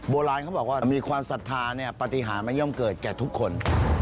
โบราณเขาบอกว่ามีความศรัทธาเนี่ยปฏิหารมันย่อมเกิดแก่ทุกคน